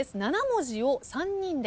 ７文字を３人で。